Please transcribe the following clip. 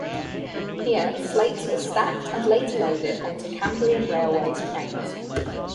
Here slates were stacked and later loaded onto Cambrian Railways trains.